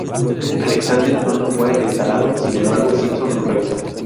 Alexander pronto fue reinstalado, sin embargo, Simpson no regresó.